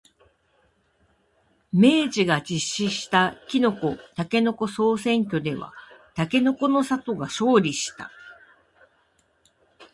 明治が実施したきのこ、たけのこ総選挙ではたけのこの里が勝利した。